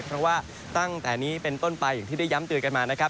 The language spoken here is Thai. เพราะว่าตั้งแต่นี้เป็นต้นไปอย่างที่ได้ย้ำเตือนกันมานะครับ